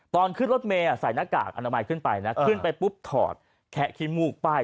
ตอนขึ้นรถเมย์ใส่หน้ากากอนามัยขึ้นไปนะขึ้นไปปุ๊บถอดแคะขี้มูกป้าย